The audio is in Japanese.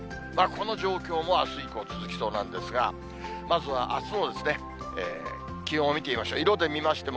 この状況もあす以降続きそうなんですが、まずはあすの気温を見てみましょう。